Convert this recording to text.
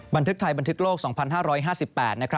บันทึกไทยบันทึกโลก๒๕๕๘